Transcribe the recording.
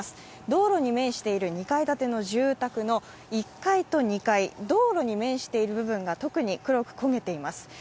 道路に面している２階建ての住宅の１階と２階、道路に面している部分が特に黒く焦げています。